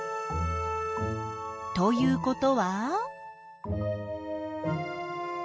ということは？